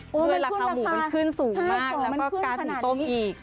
เพื่อราคาหมูมันขึ้นสูงมากแล้วก็การหุงต้มอีก